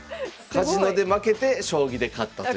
カジノで負けて将棋で勝ったという。